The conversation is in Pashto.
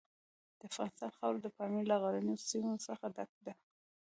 د افغانستان خاوره د پامیر له غرنیو سیمو څخه ډکه ده.